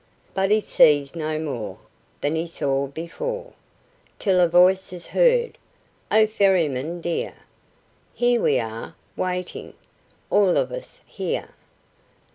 But he sees no more Than he saw before; Till a voice is heard: "O Ferryman dear! Here we are waiting, all of us, here.